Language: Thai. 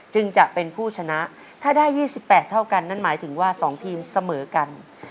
จึงจะเป็นผู้ชนะถ้าได้๒๘เท่ากันนั่นหมายถึงว่า๒ทีมเสมอกัน